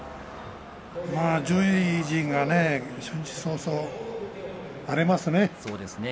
上位陣がね、初日早々荒れますね。